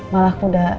malah aku udah